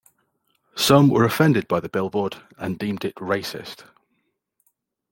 Some were offended by the billboard and deemed it racist.